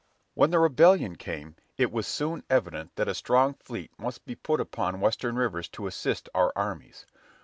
When the Rebellion came, it was soon evident that a strong fleet must be put upon Western rivers to assist our armies.